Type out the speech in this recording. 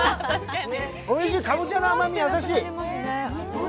おいしい、かぼちゃの甘味、優しい。